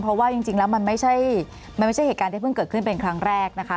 เพราะว่าจริงแล้วมันไม่ใช่มันไม่ใช่เหตุการณ์ที่เพิ่งเกิดขึ้นเป็นครั้งแรกนะคะ